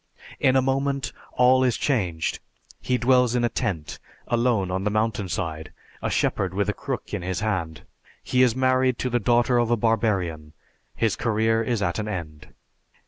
In a moment all is changed. He dwells in a tent, alone on the mountain side, a shepherd with a crook in his hand. He is married to the daughter of a barbarian; his career is at an end.